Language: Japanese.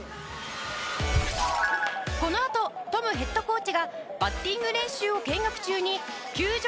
このあとトムヘッドコーチがバッティング練習を見学中に球場騒然！